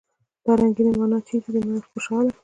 دا رنګينې معنی چېرې دي خوشحاله!